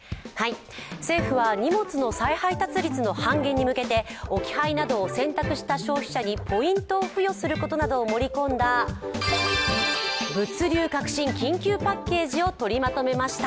政府は荷物の再配達率の半減に向けて置き配などを選択した消費者にポイントを付与することなどを盛り込んだ物流革新緊急パッケージを取りまとめました。